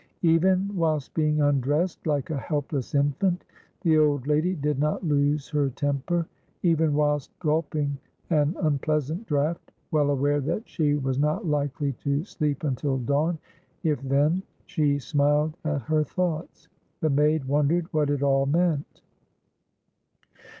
Even whilst being undressed like a helpless infant, the old lady did not lose her temper. Even whilst gulping an unpleasant draught, well aware that she was not likely to sleep until dawn, if then, she smiled at her thoughts. The maid wondered what it all meant.